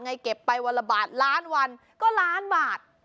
เก็บไปวันละบาทล้านวันก็ล้านบาท